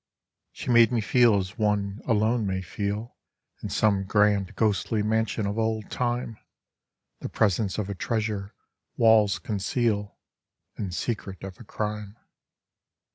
She made me feel as one, alone, may feel In some grand, ghostly mansion of old time, The presence of a treasure, walls conceal, And secret of a crime.